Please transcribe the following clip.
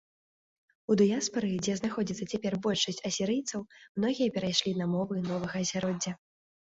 У дыяспары, дзе знаходзіцца цяпер большасць асірыйцаў, многія перайшлі на мовы новага асяроддзя.